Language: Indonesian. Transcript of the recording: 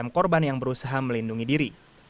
enam korban yang berusaha melindungi diri